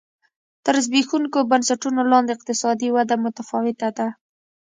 تر زبېښونکو بنسټونو لاندې اقتصادي وده متفاوته ده.